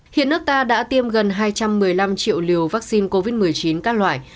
hiện nước ta đã tiêm gần hai trăm một mươi năm triệu liều vaccine covid một mươi chín các loại